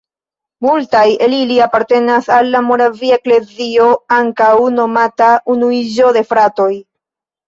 Multaj el ili apartenas al la "Moravia Eklezio", ankaŭ nomata Unuiĝo de fratoj.